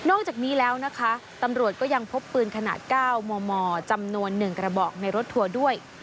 จากนี้แล้วนะคะตำรวจก็ยังพบปืนขนาด๙มมจำนวน๑กระบอกในรถทัวร์ด้วย